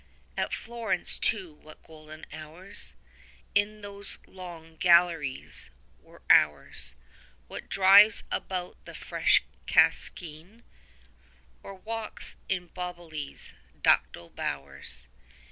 40 At Florence too what golden hours, In those long galleries, were ours; What drives about the fresh Cascinè, Or walks in Boboli's ducal bowers.